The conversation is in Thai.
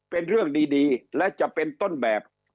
เป็นเรื่องดีและจะเป็นต้นแบบ